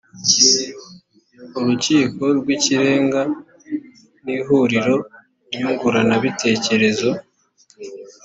urukiko rw ikirenga n ihuriro nyunguranabitekerezo